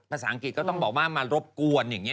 ภาษาอังกฤษก็ต้องบอกว่ามารบกวนอย่างนี้